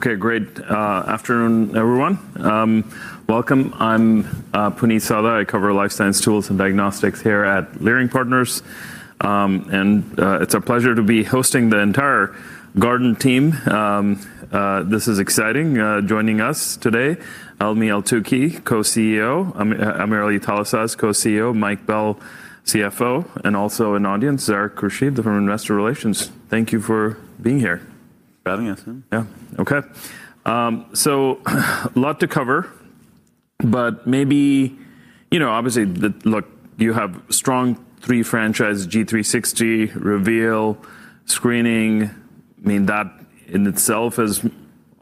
All right. Okay, great. Afternoon, everyone. Welcome. I'm Puneet Souda. I cover life science tools and diagnostics here at Leerink Partners. It's a pleasure to be hosting the entire Guardant team. This is exciting. Joining us today, Helmy Eltoukhy, Co-CEO, AmirAli Talasaz, Co-CEO, Mike Bell, CFO, and also in the audience, Derek Bertocci, the Director of Investor Relations. Thank you for being here. For having us. Yeah. Okay. So lot to cover, but maybe, you know, obviously look, you have strong three franchise Guardant360, Guardant Reveal, screening. I mean, that in itself is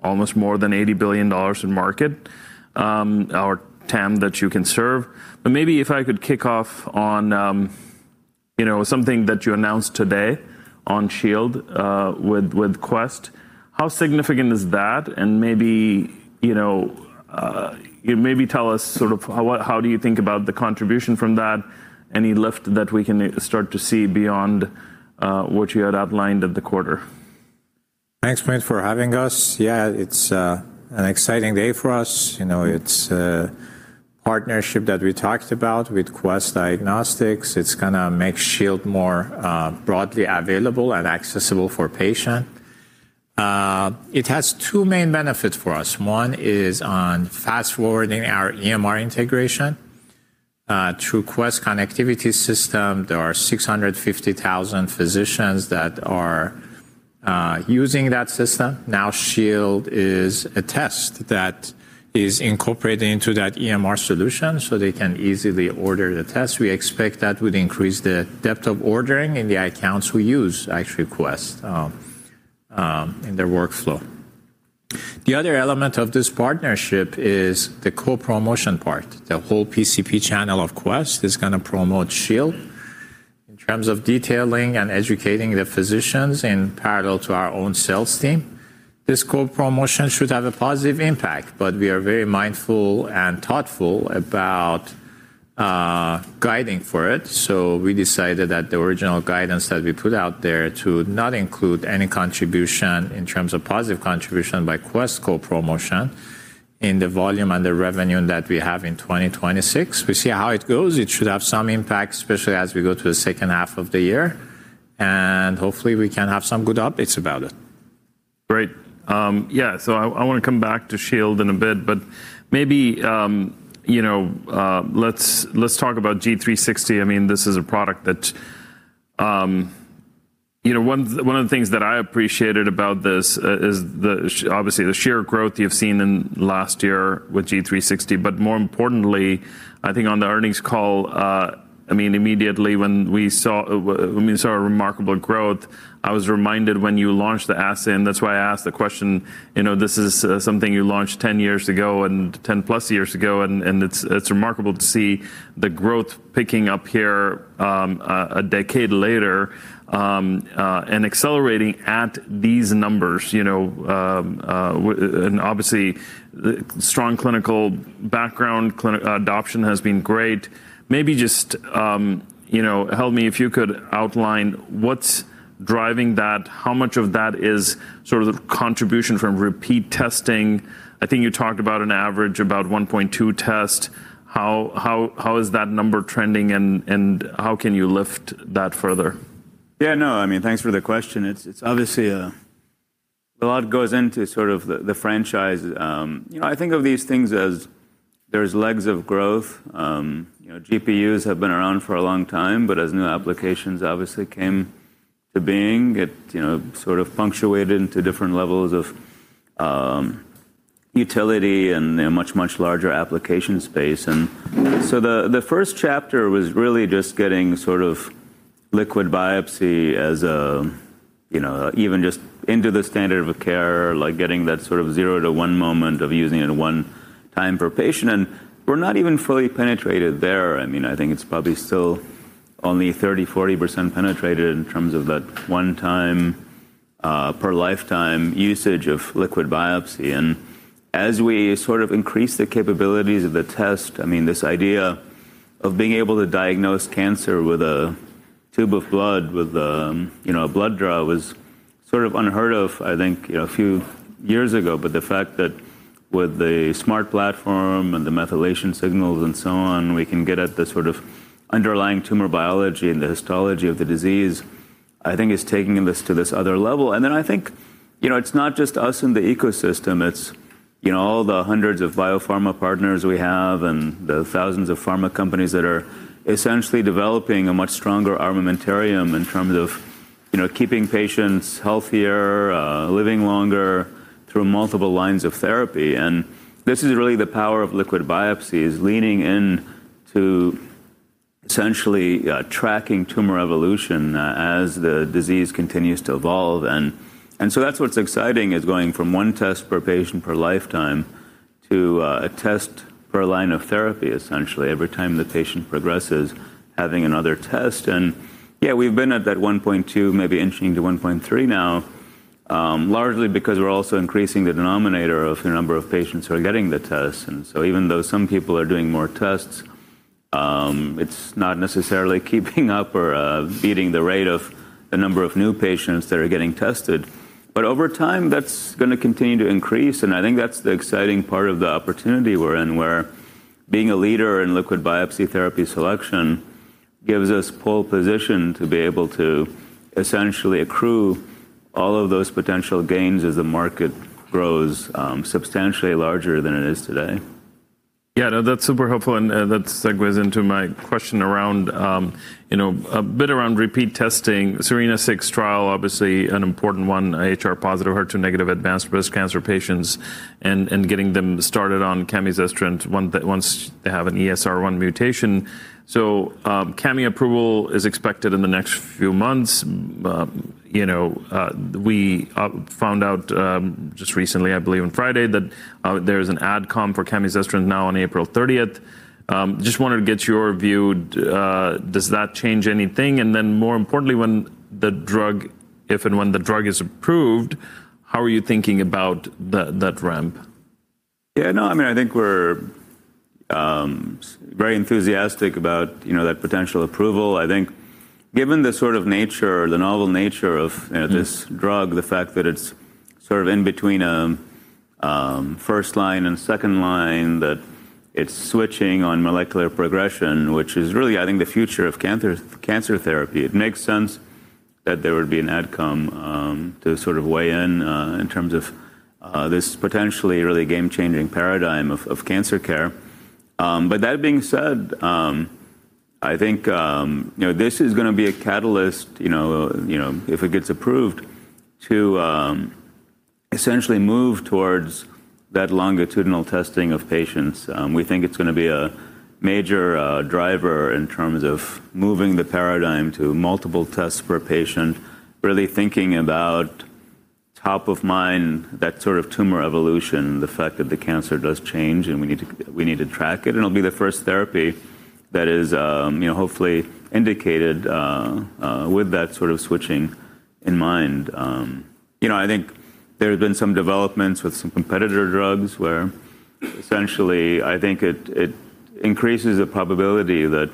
almost more than $80 billion in market or TAM that you can serve. Maybe if I could kick off on, you know, something that you announced today on Shield with Quest. How significant is that? Maybe, you know, maybe tell us sort of how do you think about the contribution from that? Any lift that we can start to see beyond what you had outlined at the quarter? Thanks, Puneet, for having us. Yeah, it's an exciting day for us. You know, it's a partnership that we talked about with Quest Diagnostics. It's gonna make Shield more broadly available and accessible for patient. It has two main benefits for us. One is on fast-forwarding our EMR integration. Through Quest connectivity system, there are 650,000 physicians that are using that system. Now, Shield is a test that is incorporated into that EMR solution, so they can easily order the test. We expect that would increase the depth of ordering in the accounts who use actually Quest in their workflow. The other element of this partnership is the co-promotion part. The whole PCP channel of Quest is gonna promote Shield in terms of detailing and educating the physicians in parallel to our own sales team. This co-promotion should have a positive impact, but we are very mindful and thoughtful about guiding for it. We decided that the original guidance that we put out there to not include any contribution in terms of positive contribution by Quest co-promotion in the volume and the revenue that we have in 2026. We see how it goes. It should have some impact, especially as we go to the second half of the year, and hopefully we can have some good updates about it. Great. Yeah. I wanna come back to Shield in a bit, but maybe, you know, let's talk about G360. I mean, this is a product that, you know, one of the things that I appreciated about this is obviously the sheer growth you've seen in last year with G360. But more importantly, I think on the earnings call, I mean, immediately when we saw remarkable growth, I was reminded when you launched the assay, and that's why I asked the question, you know, this is something you launched ten years ago and ten plus years ago, and it's remarkable to see the growth picking up here, a decade later, and accelerating at these numbers, you know, and obviously the strong clinical background, clinical adoption has been great. Maybe just, you know, help me, if you could outline what's driving that, how much of that is sort of contribution from repeat testing. I think you talked about an average about 1.2 test. How is that number trending and how can you lift that further? Yeah, no. I mean, thanks for the question. It's obviously a lot goes into sort of the franchise. You know, I think of these things as three legs of growth. CGPs have been around for a long time, but as new applications obviously came to being, you know, sort of punctuated into different levels of utility and a much larger application space. The first chapter was really just getting sort of liquid biopsy as you know, even just into the standard of care, like getting that sort of zero to one moment of using it one time per patient. We're not even fully penetrated there. I mean, I think it's probably still only 30%-40% penetrated in terms of that one time per lifetime usage of liquid biopsy. As we sort of increase the capabilities of the test, I mean, this idea of being able to diagnose cancer with a tube of blood, with, you know, a blood draw is sort of unheard of, I think, you know, a few years ago. The fact that with the smart platform and the methylation signals and so on, we can get at the sort of underlying tumor biology and the histology of the disease, I think is taking this to this other level. Then I think, you know, it's not just us in the ecosystem, it's, you know, all the hundreds of biopharma partners we have and the thousands of pharma companies that are essentially developing a much stronger armamentarium in terms of, you know, keeping patients healthier, living longer through multiple lines of therapy. This is really the power of liquid biopsy, is leaning in to essentially tracking tumor evolution as the disease continues to evolve. That's what's exciting, is going from one test per patient per lifetime to a test per line of therapy, essentially, every time the patient progresses, having another test. Yeah, we've been at that 1.2, maybe inching to 1.3 now, largely because we're also increasing the denominator of the number of patients who are getting the test. Even though some people are doing more tests, it's not necessarily keeping up or beating the rate of the number of new patients that are getting tested. Over time, that's gonna continue to increase, and I think that's the exciting part of the opportunity we're in, where being a leader in liquid biopsy therapy selection gives us pole position to be able to essentially accrue all of those potential gains as the market grows, substantially larger than it is today. Yeah, no, that's super helpful, and that segues into my question around, you know, a bit around repeat testing. SERENA-6 trial, obviously an important one, HR-positive, HER2-negative advanced breast cancer patients and getting them started on camizestrant once they have an ESR1 mutation. Camizestrant approval is expected in the next few months. You know, we found out just recently, I believe on Friday, that there's an AdCom for camizestrant now on April 30th. Just wanted to get your view. Does that change anything? Then more importantly, when the drug, if and when the drug is approved, how are you thinking about that ramp? Yeah, no, I mean, I think we're very enthusiastic about, you know, that potential approval. I think given the sort of nature, the novel nature of, you know, this drug, the fact that it's sort of in between first line and second line, that it's switching on molecular progression, which is really, I think, the future of cancer therapy, it makes sense that there would be an AdCom to sort of weigh in in terms of this potentially really game-changing paradigm of cancer care. That being said, I think, you know, this is gonna be a catalyst, you know, if it gets approved to essentially move towards that longitudinal testing of patients. We think it's gonna be a major driver in terms of moving the paradigm to multiple tests per patient, really thinking about top of mind, that sort of tumor evolution, the fact that the cancer does change, and we need to track it. It'll be the first therapy that is, you know, hopefully indicated with that sort of switching in mind. You know, I think there have been some developments with some competitor drugs where essentially I think it increases the probability that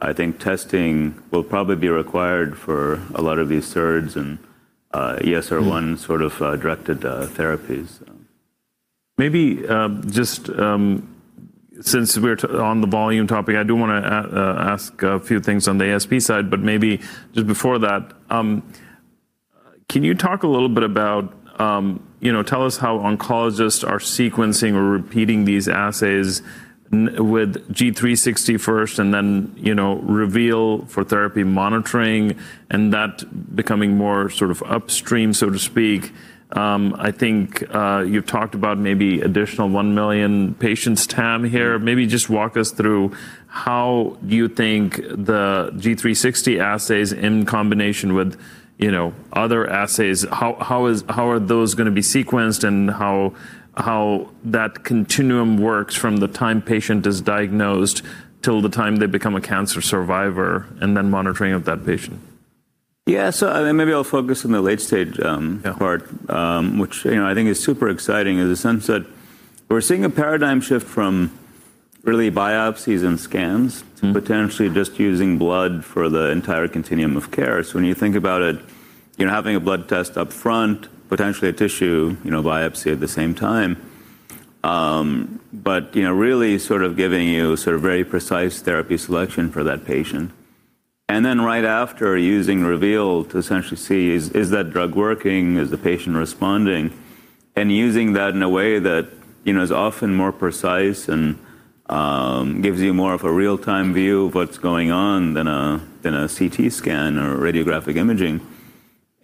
I think testing will probably be required for a lot of these SERDs and ESR1 sort of directed therapies. Maybe just since we're on the volume topic, I do want to ask a few things on the ASP side, but maybe just before that, can you talk a little bit about, you know, tell us how oncologists are sequencing or repeating these assays with Guardant360 first and then, you know, Guardant Reveal for therapy monitoring and that becoming more sort of upstream, so to speak. I think you've talked about maybe additional 1 million patients TAM here. Maybe just walk us through how you think the Guardant360 assays in combination with, you know, other assays, how are those gonna be sequenced and how that continuum works from the time patient is diagnosed till the time they become a cancer survivor, and then monitoring of that patient? Maybe I'll focus on the late stage- Yeah. ...part, which, you know, I think is super exciting. In the sense that we're seeing a paradigm shift from really biopsies and scans. Mm-hmm. Potentially just using blood for the entire continuum of care. When you think about it, you're having a blood test up front, potentially a tissue, you know, biopsy at the same time, but you know, really sort of giving you sort of very precise therapy selection for that patient. Right after, using Reveal to essentially see is that drug working? Is the patient responding? Using that in a way that, you know, is often more precise and gives you more of a real-time view of what's going on than a CT scan or radiographic imaging.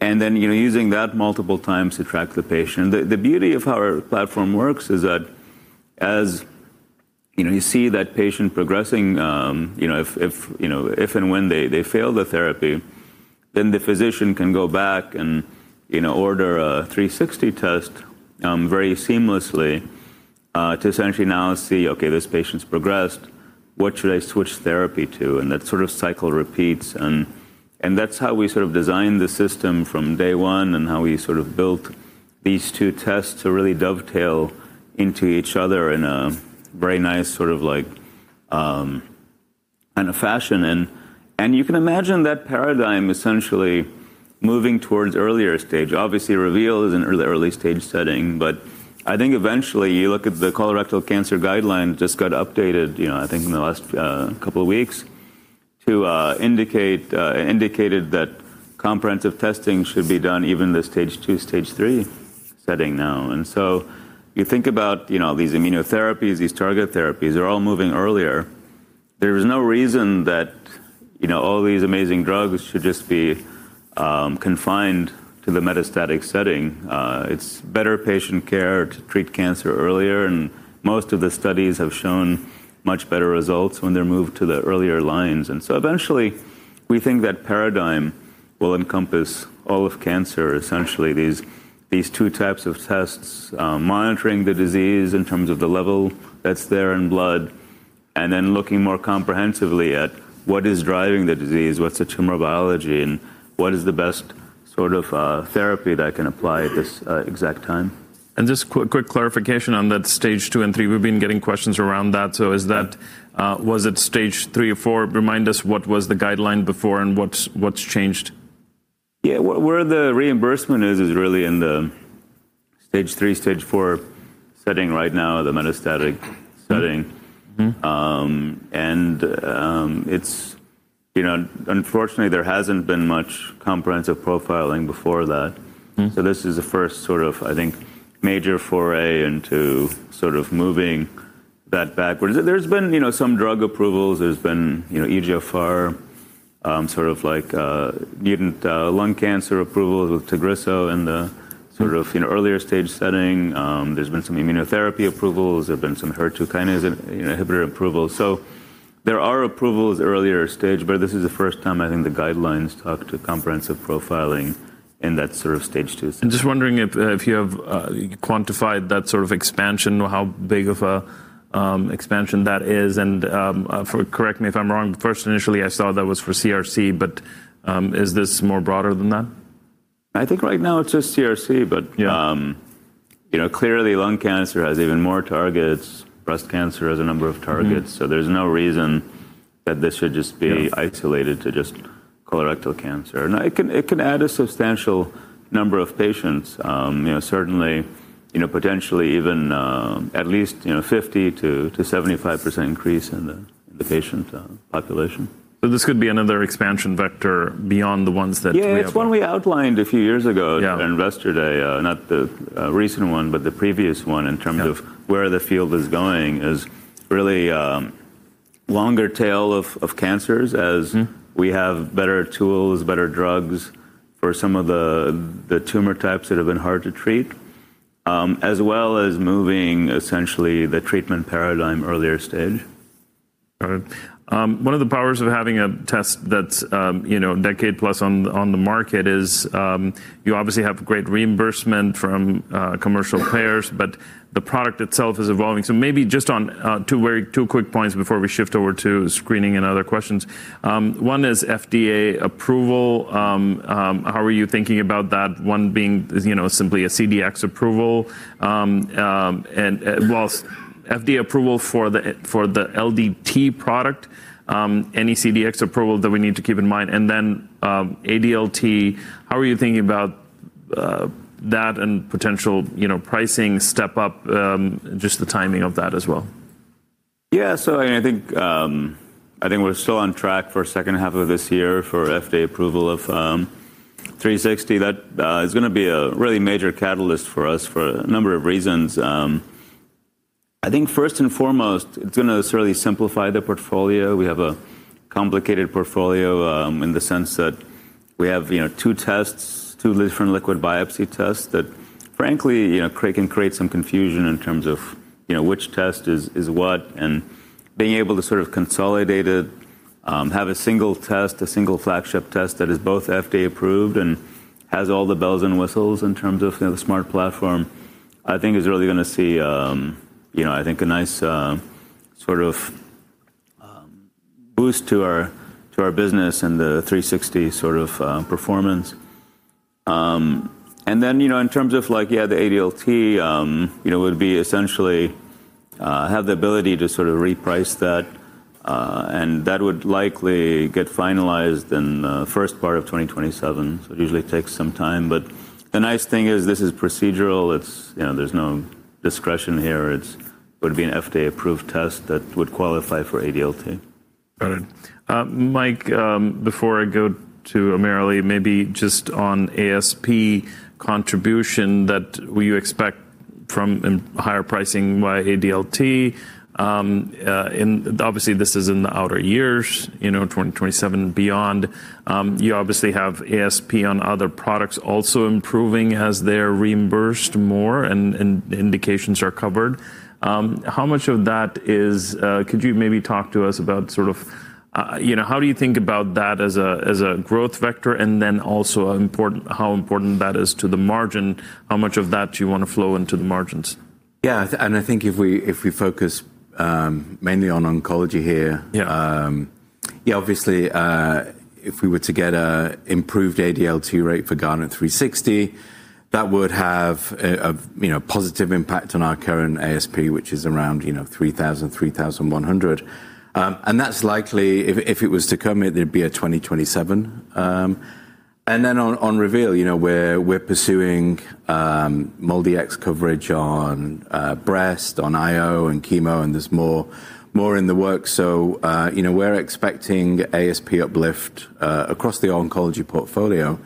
You know, using that multiple times to track the patient. The beauty of how our platform works is that as you know you see that patient progressing, you know, if you know, if and when they fail the therapy, then the physician can go back and you know order a 360 test very seamlessly to essentially now see, okay, this patient's progressed, what should I switch therapy to? That sort of cycle repeats, and that's how we sort of designed the system from day one and how we sort of built these two tests to really dovetail into each other in a very nice sort of like kind of fashion. You can imagine that paradigm essentially moving towards earlier stage. Obviously, Reveal is an early stage setting, but I think eventually you look at the colorectal cancer guideline just got updated, you know, I think in the last couple of weeks to indicated that comprehensive testing should be done even the stage two, stage three setting now. You think about, you know, these immunotherapies, these targeted therapies, they're all moving earlier. There is no reason that, you know, all these amazing drugs should just be confined to the metastatic setting. It's better patient care to treat cancer earlier, and most of the studies have shown much better results when they're moved to the earlier lines. Eventually, we think that paradigm will encompass all of cancer, essentially. These two types of tests, monitoring the disease in terms of the level that's there in blood, and then looking more comprehensively at what is driving the disease, what's the tumor biology, and what is the best sort of therapy that can apply at this exact time. Just quick clarification on that stage two and three. We've been getting questions around that. Is that, was it stage three or four? Remind us what was the guideline before and what's changed? Yeah. Where the reimbursement is really in the stage 3, stage 4 setting right now, the metastatic setting. Mm-hmm. It's, you know, unfortunately there hasn't been much comprehensive profiling before that. Mm-hmm. This is the first sort of, I think, major foray into sort of moving that backwards. There's been, you know, some drug approvals. There's been, you know, EGFR, sort of like, mutant lung cancer approval with TAGRISSO in the- Mm-hmm.... sort of, you know, earlier stage setting. There's been some immunotherapy approvals. There have been some HER2 kinase inhibitor approvals. There are approvals earlier stage, but this is the first time I think the guidelines talk to comprehensive profiling in that sort of stage two. I'm just wondering if you have quantified that sort of expansion or how big of a expansion that is. Correct me if I'm wrong, but first initially I saw that was for CRC, but is this more broader than that? I think right now it's just CRC. Yeah. You know, clearly lung cancer has even more targets. Breast cancer has a number of targets. Mm-hmm. There's no reason that this should just be. Yes. Isolated to just colorectal cancer. Now it can add a substantial number of patients. You know, certainly, you know, potentially even, at least, you know, 50%-75% increase in the patient population. This could be another expansion vector beyond the ones that we have. Yeah. It's one we outlined a few years ago. Yeah. At Investor Day, not the recent one, but the previous one in terms of- Yeah.... where the field is going, is really, longer tail of cancers as- Mm-hmm. ...we have better tools, better drugs for some of the tumor types that have been hard to treat, as well as moving essentially the treatment paradigm earlier stage. Got it. One of the powers of having a test that's, you know, decade plus on the market is you obviously have great reimbursement from commercial payers, but the product itself is evolving. Maybe just on two quick points before we shift over to screening and other questions. One is FDA approval. How are you thinking about that one being, you know, simply a CDx approval? Well, FDA approval for the LDT product, any CDx approval that we need to keep in mind, and then ADLT, how are you thinking about that and potential, you know, pricing step up, just the timing of that as well? Yeah. I think we're still on track for second half of this year for FDA approval of Guardant360. That is gonna be a really major catalyst for us for a number of reasons. I think first and foremost, it's gonna certainly simplify the portfolio. We have a complicated portfolio, in the sense that we have two tests, two different liquid biopsy tests that frankly can create some confusion in terms of which test is what, and being able to sort of consolidate it, have a single test, a single flagship test that is both FDA approved and has all the bells and whistles in terms of the smart platform. I think is really gonna see a nice sort of boost to our business and the Guardant360 sort of performance. In terms of like the ADLT, it would essentially have the ability to sort of reprice that, and that would likely get finalized in the first part of 2027. It usually takes some time, but the nice thing is this is procedural. It's, you know, there's no discretion here. It would be an FDA-approved test that would qualify for ADLT. Got it. Mike, before I go to AmirAli, maybe just on ASP contribution that you will expect from higher pricing by ADLT? Obviously this is in the outer years, you know, 2027 beyond. You obviously have ASP on other products also improving as they're reimbursed more and indications are covered. Could you maybe talk to us about sort of, you know, how do you think about that as a growth vector and then also how important that is to the margin? How much of that do you want to flow into the margins? Yeah. I think if we focus mainly on oncology here- Yeah. ...Yeah, obviously, if we were to get an improved ADLT rate for Guardant360, that would have a positive impact on our current ASP, which is around $3,100. That's likely if it was to come, it'd be at 2027. On Reveal, we're pursuing MolDX coverage on breast, on IO and chemo, and there's more in the works. You know, we're expecting ASP uplift across the oncology portfolio.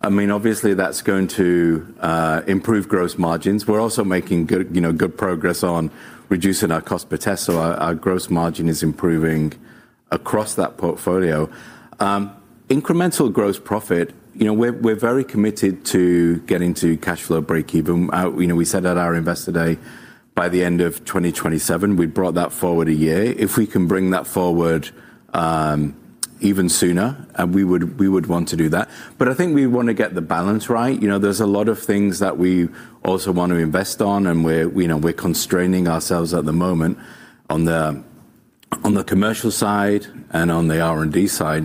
I mean, obviously that's going to improve gross margins. We're also making good progress on reducing our cost per test. So our gross margin is improving across that portfolio. Incremental gross profit, you know, we're very committed to getting to cash flow breakeven. You know, we said at our Investor Day by the end of 2027. We brought that forward a year. If we can bring that forward even sooner, we would want to do that. I think we want to get the balance right. You know, there's a lot of things that we also want to invest on, and we're constraining ourselves at the moment on the On the commercial side and on the R&D side.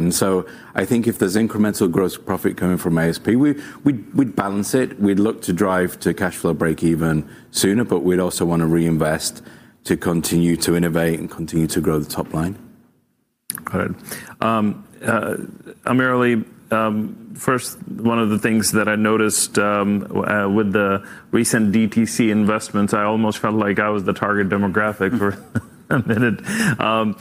I think if there's incremental gross profit coming from ASP, we'd balance it. We'd look to drive to cash flow breakeven sooner, but we'd also wanna reinvest to continue to innovate and continue to grow the top line. Got it. AmirAli, first, one of the things that I noticed, with the recent DTC investments, I almost felt like I was the target demographic for a minute. I'm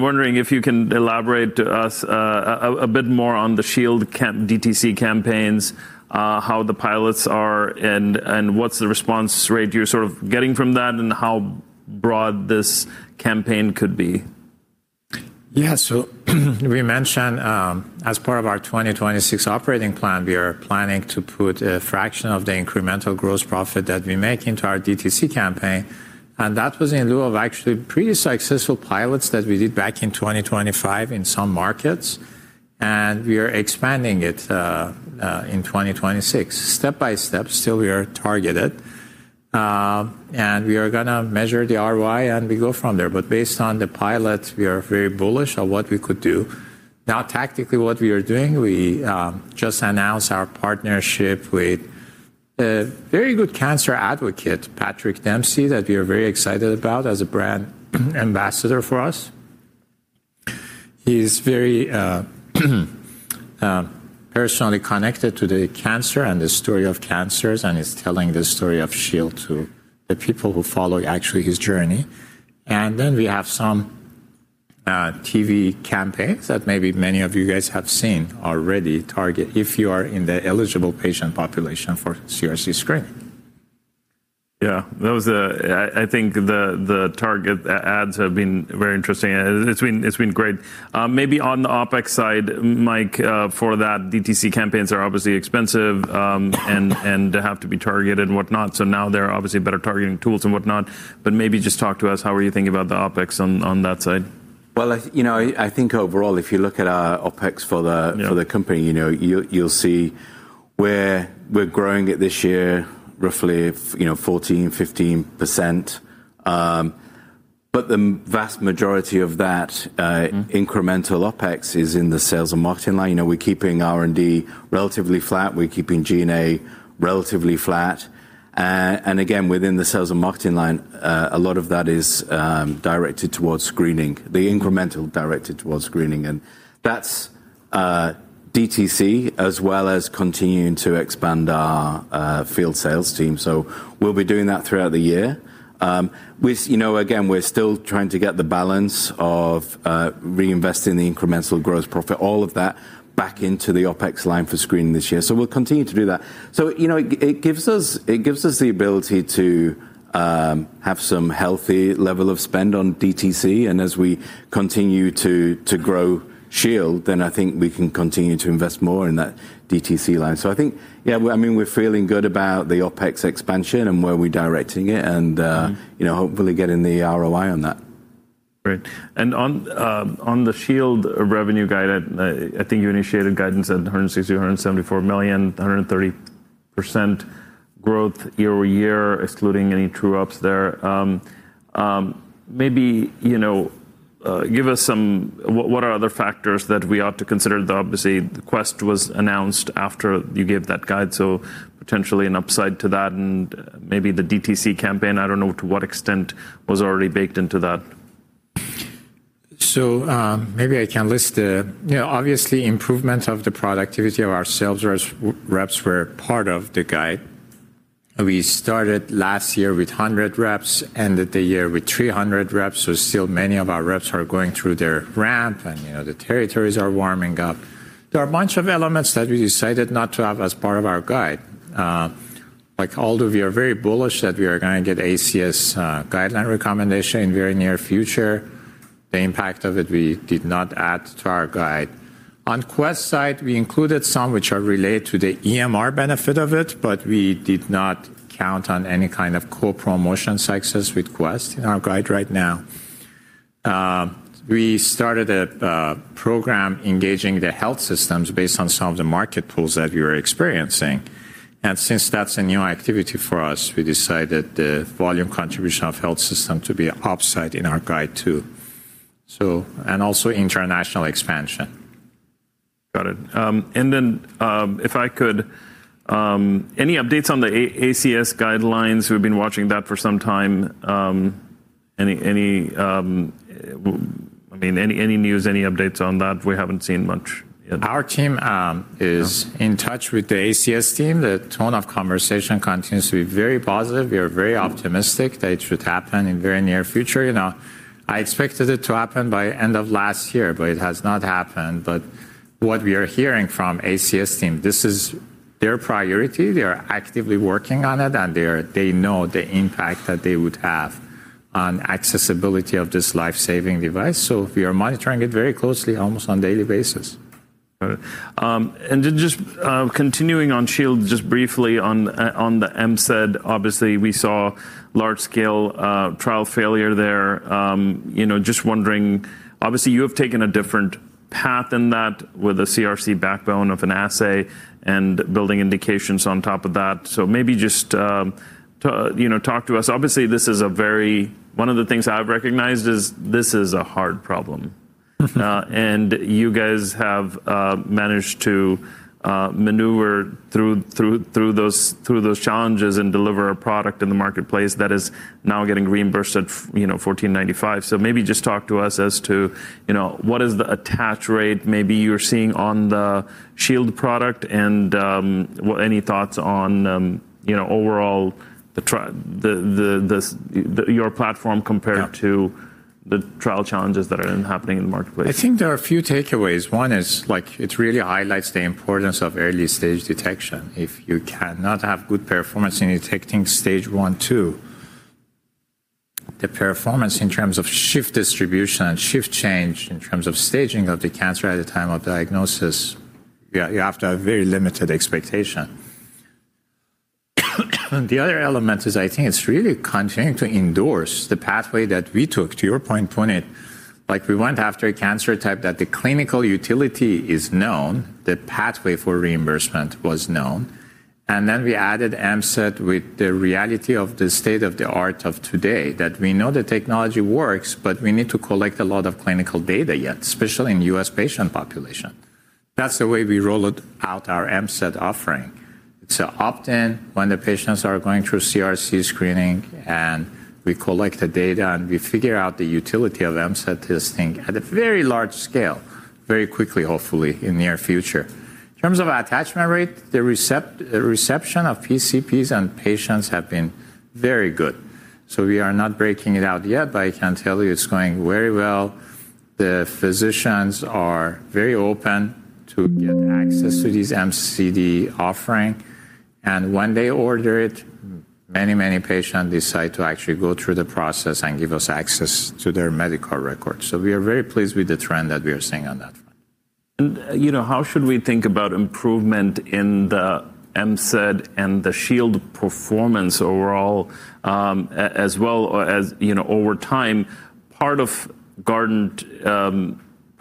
wondering if you can elaborate to us, a bit more on the Shield DTC campaigns, how the pilots are, and what's the response rate you're sort of getting from that, and how broad this campaign could be? Yeah. We mentioned, as part of our 2026 operating plan, we are planning to put a fraction of the incremental gross profit that we make into our DTC campaign, and that was in lieu of actually pretty successful pilots that we did back in 2025 in some markets, and we are expanding it in 2026 step by step. Still we are targeted. We are gonna measure the ROI and we go from there. Based on the pilot, we are very bullish on what we could do. Now tactically, what we are doing, we just announced our partnership with a very good cancer advocate, Patrick Dempsey, that we are very excited about as a brand ambassador for us. He's very personally connected to the cancer and the story of cancers and is telling the story of Shield to the people who follow actually his journey. Then we have some TV campaigns that maybe many of you guys have seen already, target if you are in the eligible patient population for CRC screening. Yeah. Those are interesting. I think the targeted ads have been very interesting. It's been great. Maybe on the OpEx side, Mike, for the DTC campaigns are obviously expensive, and have to be targeted and whatnot, so now there are obviously better targeting tools and whatnot, but maybe just talk to us, how are you thinking about the OpEx on that side? Well, you know, I think overall, if you look at our OpEx for the- Yeah.... for the company, you know, you'll see where we're growing it this year roughly 14%-15%. The vast majority of that incremental OpEx is in the sales and marketing line. You know, we're keeping R&D relatively flat. We're keeping G&A relatively flat. Again, within the sales and marketing line, a lot of that is directed towards screening. That's DTC as well as continuing to expand our field sales team. We'll be doing that throughout the year. You know, again, we're still trying to get the balance of reinvesting the incremental gross profit, all of that back into the OpEx line for screening this year. We'll continue to do that. You know, it gives us the ability to have some healthy level of spend on DTC. As we continue to grow Shield, then I think we can continue to invest more in that DTC line. I think, yeah, I mean, we're feeling good about the OpEx expansion and where we're directing it and, you know, hopefully getting the ROI on that. Great. On the Shield revenue guide, I think you initiated guidance at $160 million-$174 million, 130% growth year-over-year, excluding any true ups there. Maybe, you know, give us some. What are other factors that we ought to consider? Obviously, the Quest was announced after you gave that guide, so potentially an upside to that and maybe the DTC campaign, I don't know to what extent was already baked into that. Maybe I can list. You know, obviously, improvements of the productivity of our sales reps were part of the guide. We started last year with 100 reps, ended the year with 300 reps. Still many of our reps are going through their ramp and, you know, the territories are warming up. There are a bunch of elements that we decided not to have as part of our guide. Like all of you are very bullish that we are gonna get ACS guideline recommendation in very near future. The impact of it, we did not add to our guide. On Quest side, we included some which are related to the EMR benefit of it, but we did not count on any kind of co-promotion success with Quest in our guide right now. We started a program engaging the health systems based on some of the market pulls that we were experiencing. Since that's a new activity for us, we decided the volume contribution of health system to be upside in our guide too, so, and also international expansion. Got it. If I could, any updates on the ACS guidelines? We've been watching that for some time. I mean, any news, any updates on that? We haven't seen much yet. Our team is in touch with the ACS team. The tone of conversation continues to be very positive. We are very optimistic that it should happen in very near future. You know, I expected it to happen by end of last year, but it has not happened. But what we are hearing from ACS team, this is their priority. They are actively working on it, and they know the impact that they would have on accessibility of this life-saving device. We are monitoring it very closely, almost on daily basis. Got it. Just continuing on Shield, just briefly on the MCED, obviously, we saw large scale trial failure there. You know, just wondering, obviously, you have taken a different path in that with a CRC backbone of an assay and building indications on top of that. Maybe just, you know, talk to us. Obviously, one of the things I've recognized is this is a hard problem. You guys have managed to maneuver through those challenges and deliver a product in the marketplace that is now getting reimbursed at, you know, $14.95. So maybe just talk to us as to, you know, what is the attach rate maybe you're seeing on the Shield product and, any thoughts on, you know, overall your platform compared- Yeah. ...to the trial challenges that are happening in the marketplace. I think there are a few takeaways. One is, like, it really highlights the importance of early stage detection. If you cannot have good performance in detecting stage one, two, the performance in terms of stage distribution and stage shift in terms of staging of the cancer at the time of diagnosis, you have to have very limited expectation. The other element is I think it's really continuing to endorse the pathway that we took, to your point, Puneet. Like, we went after a cancer type that the clinical utility is known, the pathway for reimbursement was known, and then we added MCED with the reality of the state of the art of today, that we know the technology works, but we need to collect a lot of clinical data yet, especially in U.S. patient population. That's the way we rolled out our MCED offering. Opt-in when the patients are going through CRC screening, and we collect the data, and we figure out the utility of MCED testing at a very large scale, very quickly, hopefully, in near future. In terms of attachment rate, the reception of PCPs and patients have been very good. We are not breaking it out yet, but I can tell you it's going very well. The physicians are very open to get access to this MCED offering, and when they order it. Mm. Many, many patients decide to actually go through the process and give us access to their medical records. We are very pleased with the trend that we are seeing on that front. You know, how should we think about improvement in the MCED and the Shield performance overall, as well, or as, you know, over time? Part of Guardant's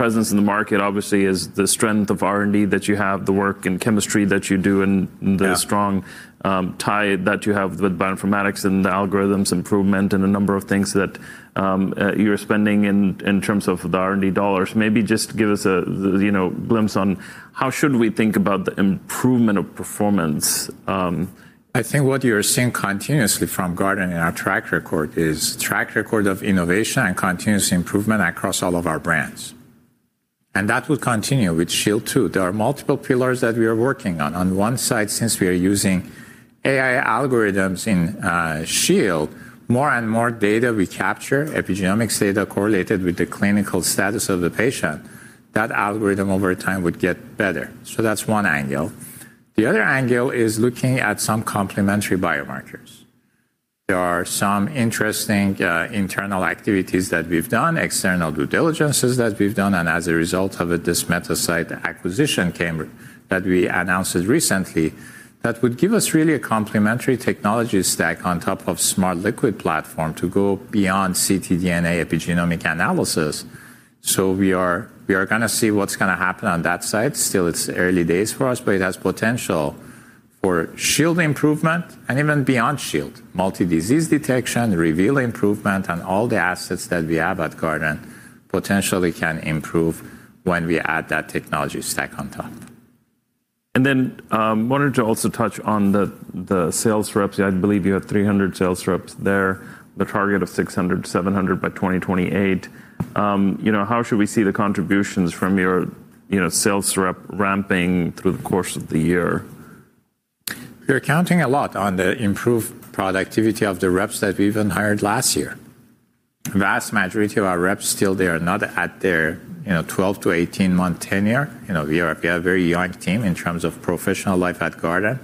presence in the market obviously is the strength of R&D that you have, the work and chemistry that you do, and Yeah. the strong tie that you have with bioinformatics and the algorithms improvement and the number of things that you're spending in terms of the R&D dollars. Maybe just give us a, you know, glimpse on how should we think about the improvement of performance I think what you're seeing continuously from Guardant and our track record of innovation and continuous improvement across all of our brands, and that will continue with Shield too. There are multiple pillars that we are working on. On one side, since we are using AI algorithms in Shield, more and more data we capture, epigenomics data correlated with the clinical status of the patient, that algorithm over time would get better. That's one angle. The other angle is looking at some complementary biomarkers. There are some interesting internal activities that we've done, external due diligences that we've done, and as a result of this MetaSight acquisition that we announced recently, that would give us really a complementary technology stack on top of smart Liquid platform to go beyond ctDNA epigenomic analysis. We are gonna see what's gonna happen on that side. Still, it's early days for us, but it has potential for Shield improvement and even beyond Shield. Multi-disease detection, Reveal improvement, and all the assets that we have at Guardant potentially can improve when we add that technology stack on top. Wanted to also touch on the sales reps. I believe you have 300 sales reps there, the target of 600-700 by 2028. You know, how should we see the contributions from your, you know, sales rep ramping through the course of the year? We're counting a lot on the improved productivity of the reps that we even hired last year. Vast majority of our reps still are not at their, you know, 12- to 18-month tenure. You know, we are a very young team in terms of professional life at Guardant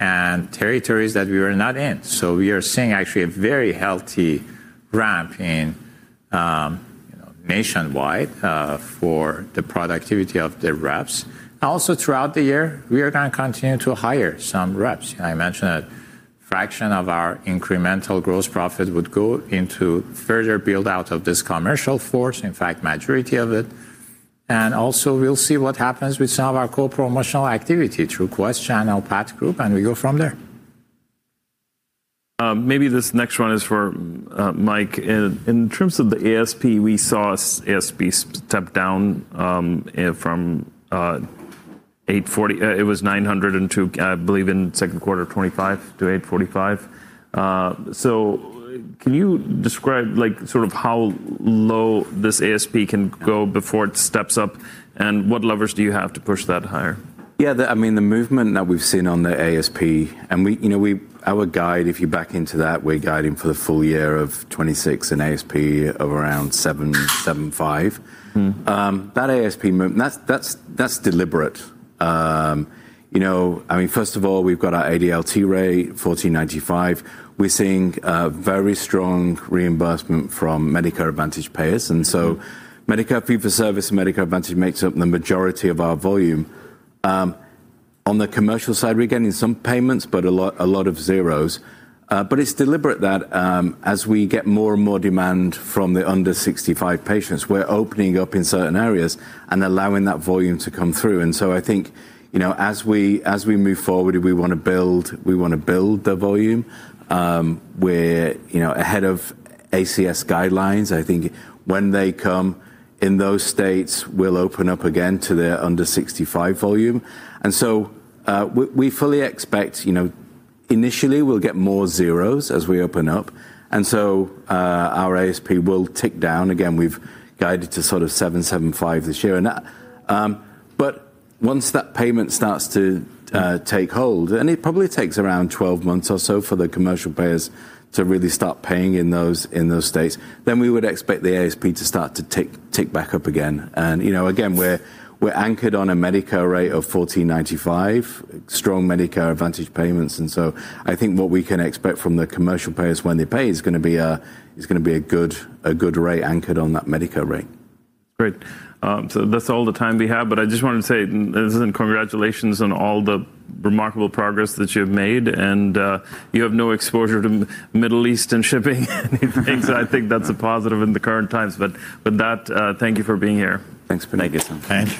and territories that we were not in. We are seeing actually a very healthy ramp in, you know, nationwide, for the productivity of the reps. Also, throughout the year, we are gonna continue to hire some reps. I mentioned a fraction of our incremental gross profit would go into further build-out of this commercial force. In fact, majority of it. Also, we'll see what happens with some of our co-promotional activity through Quest, Channel, PathGroup, and we go from there. Maybe this next one is for Mike. In terms of the ASP, we saw ASP step down from $900 to $845, I believe, in the second quarter of 2025. Can you describe, like, sort of how low this ASP can go before it steps up, and what levers do you have to push that higher? Yeah. I mean, the movement that we've seen on the ASP, you know, our guide, if you back into that, we're guiding for the full year of 2026 in ASP of around $775. Mm-hmm. That ASP move, that's deliberate. You know, I mean, first of all, we've got our ADLT rate, $1,495. We're seeing very strong reimbursement from Medicare Advantage payers. Medicare fee-for-service and Medicare Advantage makes up the majority of our volume. On the commercial side, we're getting some payments, but a lot of zeros. It's deliberate that, as we get more and more demand from the under-65 patients, we're opening up in certain areas and allowing that volume to come through. I think, you know, as we move forward and we wanna build the volume, we're ahead of ACS guidelines. I think when they come in those states, we'll open up again to the under-65 volume. We fully expect, you know, initially we'll get more zeros as we open up, so our ASP will tick down. Again, we've guided to sort of $775 this year. But once that payment starts to take hold, and it probably takes around 12 months or so for the commercial payers to really start paying in those states, then we would expect the ASP to start to tick back up again. You know, again, we're anchored on a Medicare rate of $1,495, strong Medicare Advantage payments. I think what we can expect from the commercial payers when they pay is gonna be a good rate anchored on that Medicare rate. Great. So that's all the time we have, but I just wanted to say listen, congratulations on all the remarkable progress that you've made, and you have no exposure to Middle East and shipping and everything, so I think that's a positive in the current times. That, thank you for being here. Thanks, Puneet. Thank you so much. Thank you.